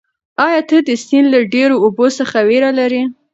ایا ته د سیند له ډېرو اوبو څخه وېره لرې؟